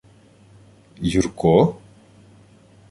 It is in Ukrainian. — Юрко?